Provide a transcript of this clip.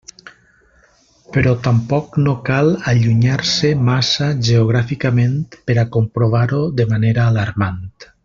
Però tampoc no cal allunyar-se massa geogràficament per a comprovar-ho de manera alarmant.